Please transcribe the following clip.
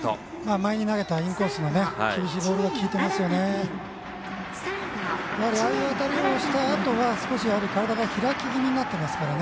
前に投げたインコースの厳しいボールが効いていますよね。